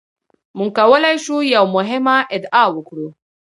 موږ نشو کولای یوه مهمه ادعا وکړو.